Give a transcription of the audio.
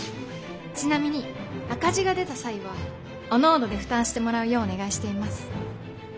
ちなみに赤字が出た際はおのおので負担してもらうようお願いしています。